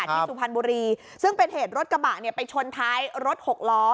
สุพรรณบุรีซึ่งเป็นเหตุรถกระบะเนี่ยไปชนท้ายรถหกล้อ